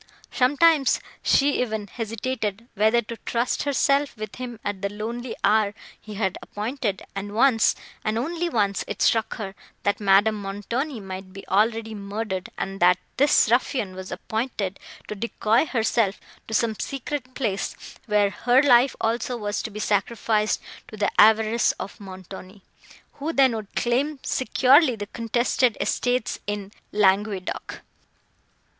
Sometimes, she even hesitated, whether to trust herself with him at the lonely hour he had appointed; and once, and only once, it struck her, that Madame Montoni might be already murdered, and that this ruffian was appointed to decoy herself to some secret place, where her life also was to be sacrificed to the avarice of Montoni, who then would claim securely the contested estates in Languedoc.